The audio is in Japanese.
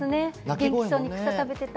元気そうに草食べてた。